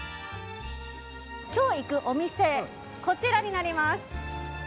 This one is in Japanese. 今日、行くお店こちらになります。